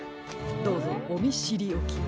どうぞおみしりおきを。